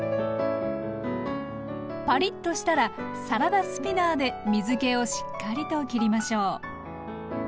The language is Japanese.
パリッとしたらサラダスピナーで水けをしっかりと切りましょう。